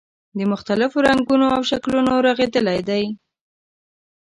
له مختلفو رنګونو او شکلونو رغېدلی دی.